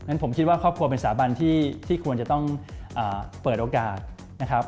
ผมคิดว่าครอบครัวเป็นสาบันที่ควรจะต้องเปิดโอกาสนะครับ